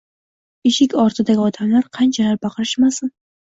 Eshik ortidagi odamlar qanchalar baqirishmasin